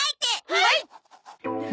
はい！